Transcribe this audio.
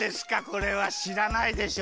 これはしらないでしょ？